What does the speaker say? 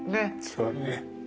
そうだね。